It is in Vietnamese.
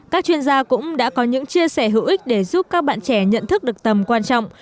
các chuyên gia cũng đã có những chia sẻ hữu ích để giúp các bạn trẻ nhận thức được tầm quan trọng